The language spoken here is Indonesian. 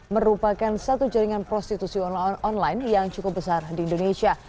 merupakan satu jaringan prostitusi online yang cukup besar di indonesia